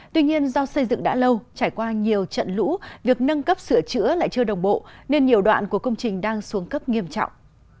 tuy nhiên do xây dựng đã lâu trải qua nhiều trận lũ việc nâng cấp sửa chữa lại chưa đồng bộ nên nhiều đoạn của công trình đang xuống cấp nghiêm trọng